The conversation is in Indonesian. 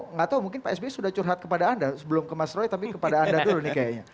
nggak tahu mungkin pak sby sudah curhat kepada anda sebelum ke mas roy tapi kepada anda dulu nih kayaknya